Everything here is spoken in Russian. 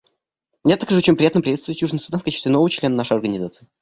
Мне также очень приятно приветствовать Южный Судан в качестве нового члена нашей Организации.